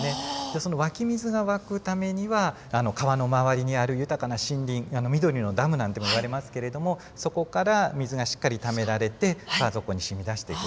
その湧き水が湧くためには川の周りにある豊かな森林緑のダムなんてもいわれますけれどもそこから水がしっかりためられて川底に染み出してくる。